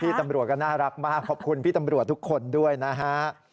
ตำรวจก็น่ารักมากขอบคุณพี่ตำรวจทุกคนด้วยนะฮะ